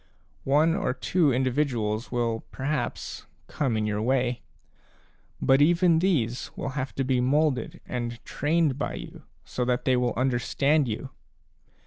One or two in dividuals will perhaps come in your way, but even these will have to be moulded and trained by you so that they will understand you.